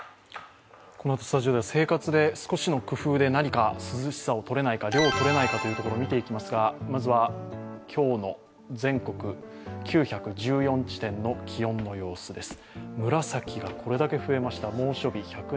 このあと、スタジオでは生活の少しの工夫で涼しさをとれないか涼をとれないかというところを見ていきますがまずは今日の全国９１４地点の気温の様子です。